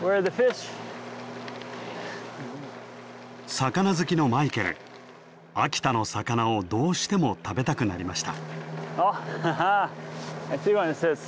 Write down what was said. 魚好きのマイケル秋田の魚をどうしても食べたくなりました。